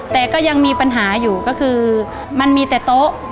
แต่ก็ยังมีปัญหาอยู่ก็คือมันมีแต่โต๊ะ